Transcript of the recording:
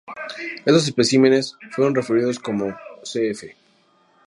Estos especímenes fueron referidos como cf.